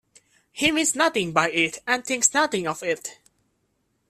He means nothing by it and thinks nothing of it.